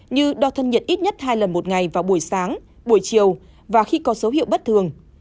như đo thân nhiệt ít nhất hai lần một ngày vào buổi sáng buổi chiều và khi có dấu hiệu bất thường